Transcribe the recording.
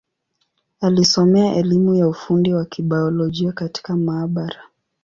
Alisomea elimu ya ufundi wa Kibiolojia katika maabara.